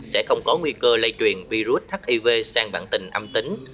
sẽ không có nguy cơ lây truyền virus hiv sang bản tình âm tính